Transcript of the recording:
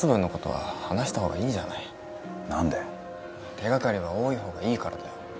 手がかりは多い方がいいからだよ